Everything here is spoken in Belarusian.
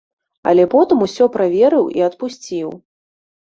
Але потым усё праверыў і адпусціў.